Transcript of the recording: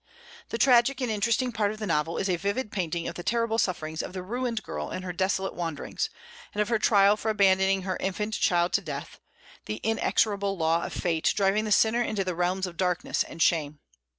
The tragic and interesting part of the novel is a vivid painting of the terrible sufferings of the ruined girl in her desolate wanderings, and of her trial for abandoning her infant child to death, the inexorable law of fate driving the sinner into the realms of darkness and shame.